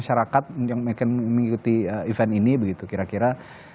masyarakat yang ingin mengikuti event ini begitu kira kira